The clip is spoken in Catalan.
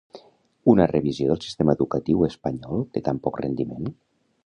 Una revisió del sistema educatiu espanyol de tan poc rendiment?